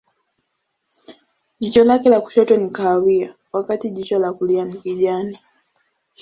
Jicho lake la kushoto ni kahawia, wakati jicho la kulia ni kijani.